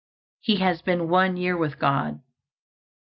He has been one year with God.